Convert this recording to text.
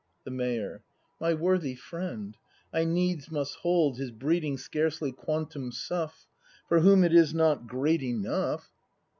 The Mayor. My worthy friend, I needs must hold His breeding scarcely quantum suff. For whom it is not great enough.